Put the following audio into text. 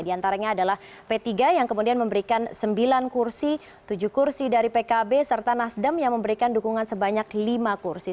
di antaranya adalah p tiga yang kemudian memberikan sembilan kursi tujuh kursi dari pkb serta nasdem yang memberikan dukungan sebanyak lima kursi